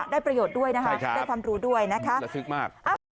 ได้ประโยชน์ด้วยนะครับได้ความรู้ด้วยนะครับใช่ครับระทึกมาก